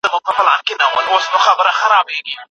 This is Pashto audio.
څنګه د بدن ازاد حرکتونه ذهني بندښتونه ماتوي؟